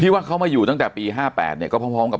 พี่ว่าเขามาอยู่ตั้งแต่ปีห้าแปดเนี้ยก็พร้อมพร้อมกับ